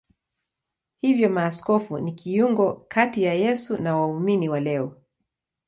Hivyo maaskofu ni kiungo kati ya Yesu na waumini wa leo.